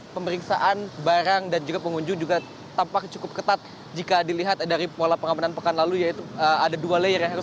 pemeriksaan barang dan juga pengunjung juga tampak cukup ketat jika dilihat dari pola pengamanan pekan lalu